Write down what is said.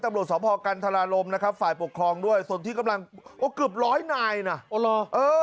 ตำรวจสพกันธรารมนะครับฝ่ายปกครองด้วยส่วนที่กำลังโอ้เกือบร้อยนายน่ะอ๋อเหรอเออ